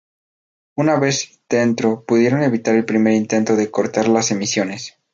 Una vez dentro pudieron evitar el primer intento de cortar las emisiones.